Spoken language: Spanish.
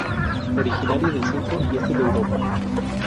Originaria del centro y este de Europa.